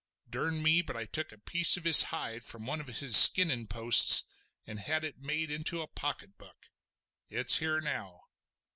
Durn me, but I took a piece of his hide from one of his skinnin' posts an' had it made into a pocket book. It's here now!"